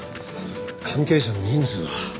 関係者の人数は？